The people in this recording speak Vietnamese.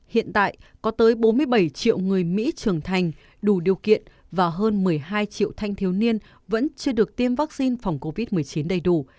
hiện tại có tới bốn mươi bảy triệu người mỹ trưởng thành đủ điều kiện và hơn một mươi hai triệu thanh thiếu niên vẫn chưa được tiêm vaccine phòng covid một mươi chín đầy đủ